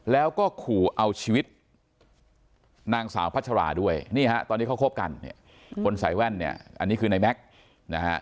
แล้วก็ขู่เอาชีวิตนางสาวพัชราด้วยตอนนี้เขาคบกันคนใส่แว่นอันนี้คือนายแม็กซ์